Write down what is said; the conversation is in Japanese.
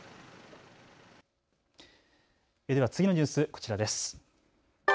では次のニュース、こちらです。